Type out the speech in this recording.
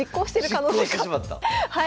はい。